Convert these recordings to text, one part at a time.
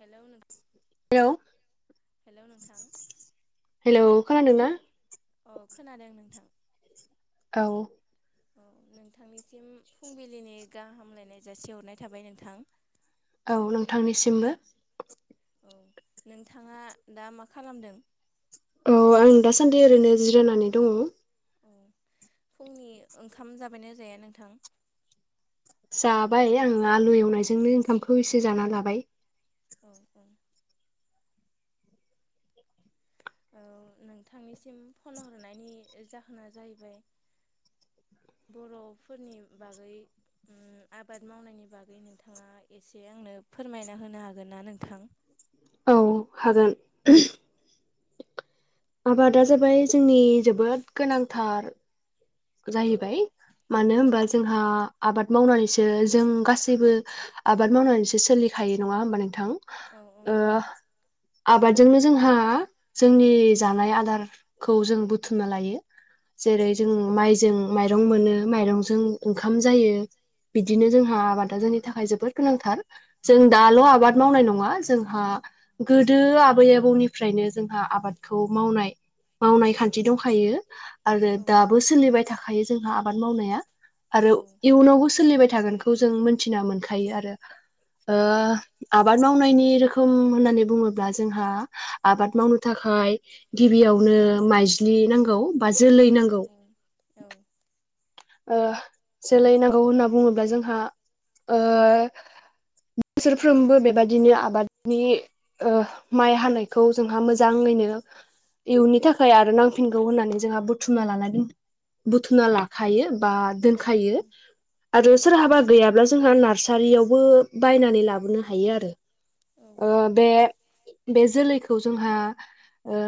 Hello hello, hello नोंथां hello खोनादोंना? औ खोनादों नोंथां औ। औ नोंथांनिसिम फुंबिलिनि गाहाम हामग्लायनाय जासिहरनाय थाबाय नोंथां। औ नोंथांनिसिमबो औ, नोंथाङा दा मा खालामदों? औ आं दासान्दि ओरैनो जिरायनानै दङ। औ फुंनि ओंखाम जाबायना जाया नोंथां? जाबाय आङो आलु एवनायजोंनो ओंखामखौ एसे जाना लाबाय। औ औ। ओ नोंथांनिसिम फन हरनायनि जाहोना जाहैबाय बर'फोरनि बागै उम आबाद मावनायनि बागै नोंथाङा एसे आंनो फोरमायना होनो हागोन ना नोंथां? औ हागोन। आबादा जाबाय जोंनि जोबोद गोनां थार जायैबाय। मानो औ होमबा जोंहा आबाद मावनानैसो जों गासैबो आबाद मावनानैसो सोलिखायो नङा होमबा नोंथां? औ औ ओ नंगौ आबादजोंनो जोंहा जोंनि जानाय आदारखौ जों बुथुमना लायो। औ जेरै जों माइरं मोनो माइरंजों ओंखाम जायो। बिदिनो औ जोंहा आबादा जोंनि थाखाय जोबोद गोनांथार। जों दाल' उम आबाद मावनाय नङा, जों हा गोदो आबै आबौनिफ्रायनो जोंहा आबादखौ मावनाय मावनाय खान्थि दंखायो। आरो औ दाब नंगौ सोलिबाय थाखायो जोंहा आ बाद मावनाया। आरो औ इयुनावबो सोलिबाय थागोनखौ जों मोनथि मोनखायो आरो ओ आबाद मावनायनि रोखोम होननानै बुङोब्ला जोंहा आबाद मावनो थाखाय गिबियावनो माइज्लि नांगौ बा जोलै औ नांगौ। औ। ओ जोलै नांगौ होनना बुङोब्ला जोंहा ओ बोसोरफ्रोमबो बेबादिनो आबादनि ओ माइ हानायखौ जोंहा मोजाङैनो इयुननि थाखाय आरो नांफिनगौ होननानै जोंहा बुथुमना लाना दिन बुथुना लाखायो। बा औ दोनखायो आरो सोरहाबा गैयाब्ला जोंहा नारसारियावबो बायनानै लाबोनो हायो आरो औ ओ नंगौ बे बे जोलै जोंहा ओ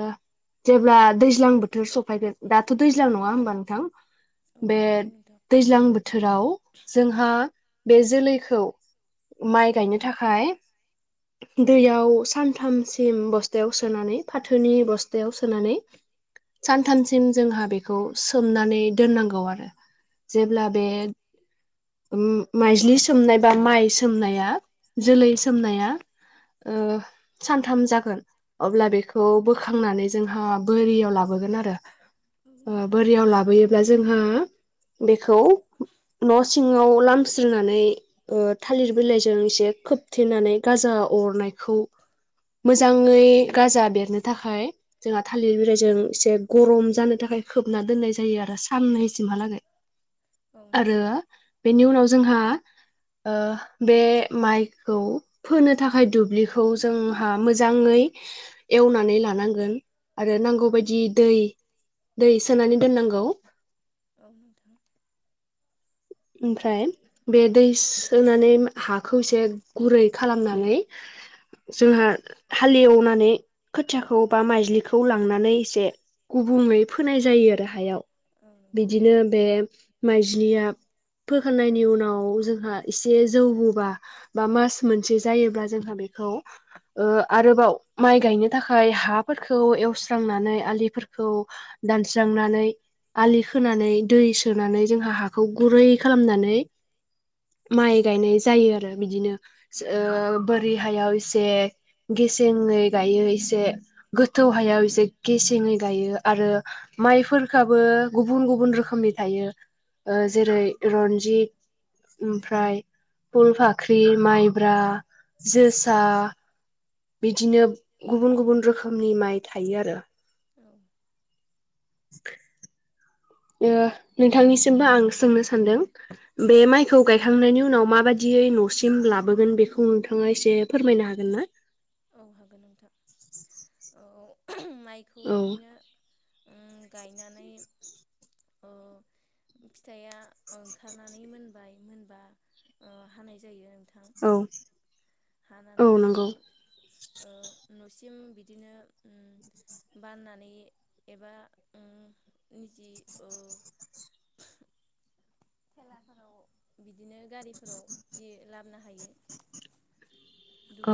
जेब्ला दैज्लां बोथोर सफायगोन दाथ' दैज्लां नङा होमबा नोंथां? औ बे नंगौ नोंथां दैज्लां बोथोराव जोंहा बे जोलैखौ माइ गायनो थाखाय दैयाव सानथामसिम बस्थायाव सोनानै फाथोनि बस्थायाव सोनानै सानथामसिम जोंहा बेखौ सोमनानै दोननांगौ आरो औ जेब्ला बे नोंथां ओम माइज्लि सोमनाय बा माइ सोमनाया जोलै औ सोमनाया ओ सानथाम जागोन अब्ला बेखौ बोखांनानै जोंहा बोरियाव लाबोगोन आरो नोंथां ओ लाबोयोब्ला जोंहा बेखौ न' सिंङाव लामस्रोनानै ओ थालिर बिलाइ जों एसे खोबथेनानै गाजा अरनायखौ मोजाङै गाजा बेरनो थाखाय जोंहा थालिर बिलाइजों एसे गरम जानो थाखाय खोबना दोननाय जायो आरो साननैसिमहालागै। औ नोंथां औ आरो नोंथां बेनि उनाव जो‌ जोंहा ओ बे माइखौ फोनो थाखाय दुब्लिखौ जोंहा मोजाङै एवनानै लानांगोन। आरो औ नांगौबायदि नोंथां दै दै सोनानै दोननांगौ औ नोंथां ओमफ्राय बे दै सोनानै हाखौ एसे गुरै खालामनानै जोंहा हालेवनानै खोथियाखौ बा माइज्लिखौ लांनानै एसे गुबुङै फोनाय जायो आरो हायाव। औ नोंथां बिदिनो बे माइज्लिया फोखांनायनि उनाव जोंहा एसे जौबोबा बा मास मोनसे जायोब्ला जोंहा बेखौ ओ आरोबाव माइ गायनो थाखाय हाफोरखौ एवस्रांनानै आलिफोरखौ दानस्रांनानै आलि खोनानै दै सोनानै जोंहा हाखौ गुरै खालामनानै माइ गायनाय जायो आरो बिदिनो। सो ओ बोरि हायाव एसे गेसेङै गायो एसे गोथौ हायाव एसे गेसेङै गायो आरो माइफोरखाबो गुबुन गुबुन रोखोमनि थायो। ओ औ जेरै जित ओमफ्राय फुलफाख्रि, माइब्रा, जोसा बिदिनो गुबुन गुबुन रोखोमनि माइ थायो आरो। औ [inaudible] ओ नोंथांनिसि जेनबा आं सोंनो सानदों बे माइखौ नोंथां गायखांनायनि उनाव माबाय दियै न'सिम लाबोगोन बेखौ नोंथाङा एसे फोरमायनो हागोन ना औ हागोन नोंथां औ माइखौ औ बिदिनो उम गायनानै ओ फिथाइया ओंखारनानै मोनबाय मोनबा ओ हानाय जायो। औ औ हानानै नंगौ बेखौ ओ न'सिम बिदिनो उ बाननानै एबा उ ओ निजि ओ थेलाफोराव बि बिदिनो गारिफोराव जि ला बोनो हायो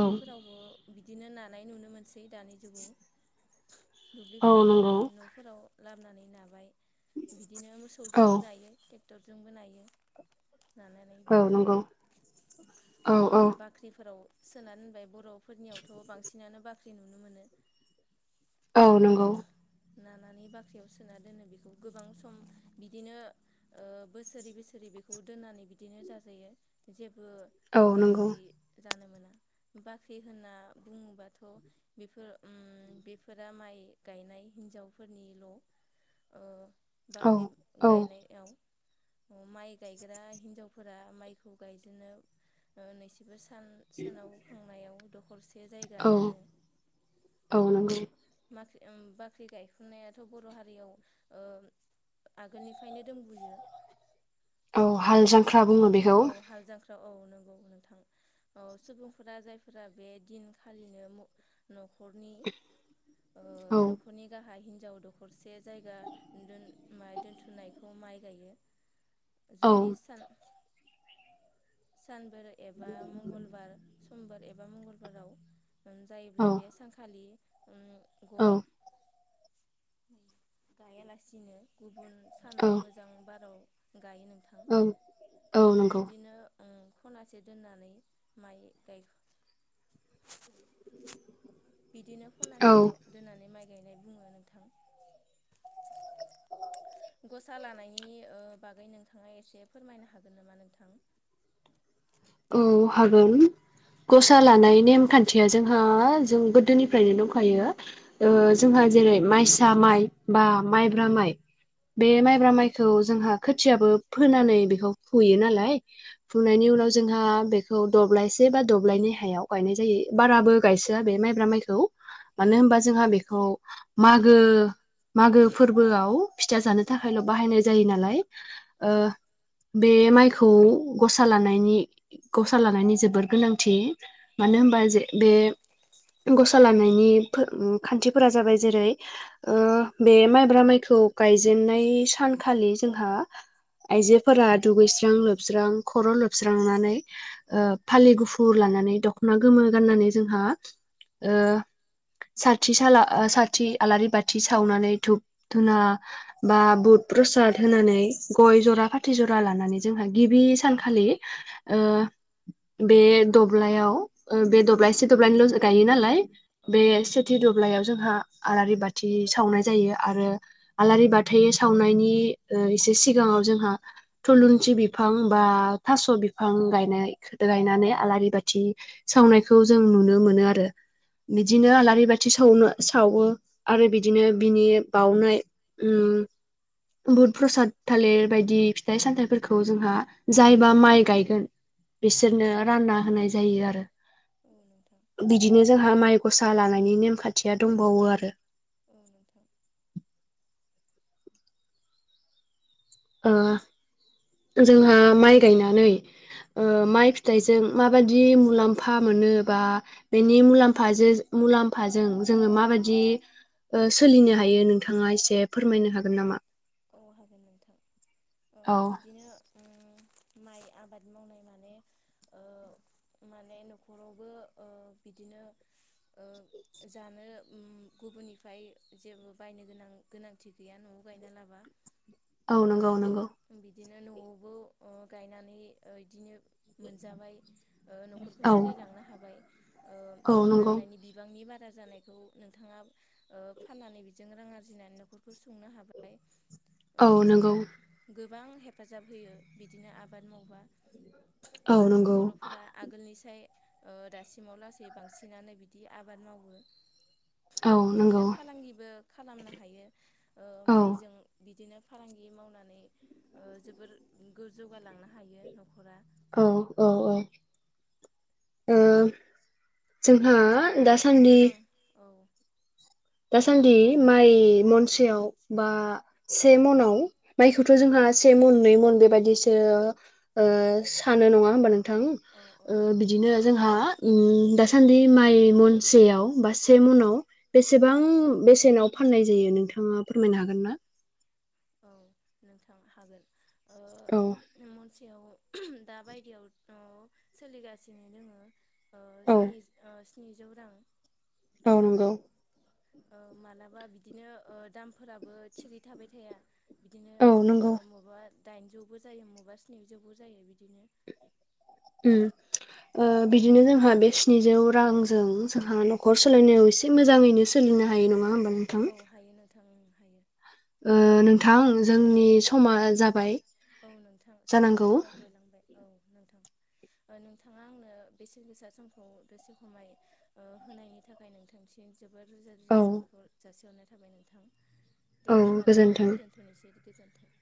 औ बिदिनो नानाय नुनो मोनसै दानि जुगाव औ दुब्लिफोरावबो नंगौ नायो न'फोराव लाबोनानै नाबाय बिदिनो औ मोसौजोंबो जायोे जोंबो नायो नानानै औ बेखौ नंगौ औ ओ औ बाख्रिफोराव सोनानै दोनबाय बर' फोरनियावथ' बांसिनानो बा ख्रि नुनो मोनो। औ नंगौ नानानै बाख्रियाव सोना दोनो बेखौ गोबां सम बिदिनो ओ बोसोरै बोसोरै बेखौ दोननानै बिदिनो जाजायो जे बो औ नंगौ गाज्रि जानो मोना बाख्रि होनना बुङोबाथ' बेफोर उम बेफोरा माइ गायनाय हिन्जावफोरनिल' औ बाख्रि औ गायनायाव अ माइ गायग्रा हिनजावफोरा माइखौ गायजेननो ओ [unintelligible] सान सोनाब खनायाव दखरसे जायगा औ दोनो। औ नंगौ माख्रि उम बाख्रि गायखुनायाथ' बर' हारियाव ओ आगोलनिफ्रायनो दंबोयो। औ हाल जांख्रा ओं बुंङो बेखौ औ हाल जांख्रा औ नंगौ नोंथां औ सुबुंफोरा जायफोरा बे दिनखालिनो मो न'खराव हरनि औ ओ-न'खरनि गाह हा हिनजाव दखरसे जायगा दोन- मा-थुमनायखौ माइ गायो। औ जुदि सान। सानबोर एबा मंगलबार समबार। एबा मंगलबाराव। औ जायोब्ला बे सानखालि। उम औ गय गायालासिनो। गुबुन औ सानाव मोजां बाराव। गायो नोंथां औ औ नंगौ बिदिनो। ओ खनासे दोननानै माइ गाय बिदिनो औ खनासे दोननानै माइ नाय बुङो नोंथां। गसा लानायनि ओ-बागै नोंथाङा एसे फोरमायनो हागोन नामा नोंथां? औ हागोन। गसा लानाय नेमखान्थिया जोंहा जों गोदोनिफ्रायनो दंखायो। औ ओ-जोंहा जेरै माइसा माइ। बा औ माइब्रा माइ। बे माइब्रा माइखौ जोंहा खोथियाबो फोनानै बेखौ फुयो नालाय। औ फुनायनि उनाव। बा बेखौ दब्लायसे बा दब्लायनै हायाव गायनाय जायो बाराबो गायसोआ बे माइब्रा माइखौ। औ मानो औ होनबा जोंहा नोंथां बेखौ मागो। मागो फोरबोआव फिथा जानो थाखायल' बाहायनाय जायो नालाय। औ ओ- बे। माइखौ गसा लानायनि गसा लानायनि जोबोर गोनांथि। मानो होनबा जे बे गसा लानायनि फोर ओम खान्थिफोरा जाबाय जेरै ओ- बे माइब्रा माइखौ गायजेनन्नाय सानखालि जोंहा। आइजोफोरा दुगैस्रां लोबस्रां खर' लोबस्र नानै फालि गुफुर लानानै दख'ना गोमो गाननानै जोंहा ओ- साथि साला साथि आलारि बाथि सावनानै धुप-धुना बा बुद-प्रसाद होनानै गय जरा फाथै जरा लानानै जोंहा गिबि सानखालि। ओ- बे दब्लायाव ओ-बे दब्लायसे दब्लायनैल' गायो नालाय। औ बे औ नंगौ सेथि दुब्लायाव जोंहा। आलारि बाथि सावनाय जायो आरो आलारि बाथै सावनायनि ओ एसे सिगाङाव जोंहा थुलुंसि बिफां बा। थास' बिफां गायनाय गायनानै आलारि बाथि सावनायखौ जों नुनो मोनो आरो बिदिनो आलारि बाथि सावनो सावो आरो। बिदिनो बिनि बावनाय ओम बुद-प्रसाद थालिर बायदि फिथाइ- सामथाइफोरखौ जोंहा जाय बा माइ गायगोन बिसोरनो रानना होनाय जायो आरो। औ नोंथां बिदिनो जोंहा माइ गसा लानायनि नेमखा थिया दंबावो आरो। औ नोंथां। ओ जोंहा माइ गायनानै ओ माइ फिथाइजों माबादि मुलाम्फा मोनो बा बेनि मुलामफाजों मुलाम्फाजों जोङो माबादि। ओ सोलिनो हायो नोंथाङा एसे। फोरमायनो हागोन नामा? अ हागोन नोंथां। ओ औ बिदिनो। ओम माइ आबाद मावनाय माने ओ माने नखरावबो ओ बिदिनो ओ जानो ओम गुबुननिफ्राय जेबो बायनो गोनां गोनांथि गैया न'आव गायना ला बा। औ नंगौ नों गौ। दिनो न'आवबो ओ गायनानै ओ इदिनो। मोनजाबाय ओ न'खरखौ औ सोलिलांनो हाबाय ओ औ नंगौ नांनायनि बिबांनि बारा। जानायखौ नोंथाङा ओ फाननानै बेजों रां आरजिनानै न'खरखौ सुंनो हाबाय। औ बिदिनो। नंगौ गोबां हेफाजाब होयो बिदिनो आबाद मावबा। औ नंगौ बर'फोरा आगोलनिसाय। ओ दासिमाव लासै बांसिनानो बिदि आबाद मावो। औ नंगौ बिदिनो फालांगिबो खालामनो हायो ओ औ माइजों बिदिनो। फालांगि मावनानै। ओ जोबोर गो-जौगालांनो हायो न'खरा। औ औ औ ओ जोंहा बर'फोरा ओ दासान्दि गोबां औ। दासान्दि माइ महनसेयाव बा से म'नाव माइखौथ' जोंहा से मन नै मन बेबायदिसो ओ सानो नङा होमबा नों थां औ औ ओ बिदिनो। जोंहा उम दासान्दि माइ मन सेयाव बा से मनाव बेसेबां औ बेसेनाव फाननाय जायो नोंथाङा फोरमायनो हागोन ना? औ नोंथां हागोन ओ औ। [unintelligible] दा बायदियाव औ सोलिगासिनो दोङो। ओ औ स्नि जि ओ स्निजौ रां। औ नंगौ। ओ मालाबा बिदिनो ओ दामफोराबो थिगै थाबाय थाया। बिदिनो औ ओ नंगौ मबबा। दाइनजौबो जायो मबा स्निजौबो जायो बिदिनो। उम ओ बिदिनो जोंहा बे स्निजौ रांजों जोंहा न'खर सालायनायाव एसे मोजाङैनो सोलिनो हायो नङा होनबा। नोंथां। उम हायो। ओ नोंथां जोंनि समा जाबाय औ नोंथां जानांगौ समाबो जाहोलांबाय औ। नोंथां नोंथाङा आंनो बेसेन गोसा समखौ दसे खमाय होनायनि थाखाय नोंथांसिम जोबोर रोजा औ रोजा साबायखर जासिहरनाय था थाबाय नोंथां। दे औ होमबा नोंथां गोजोन्थों दोन्थ'नोसै गोजोन्थों।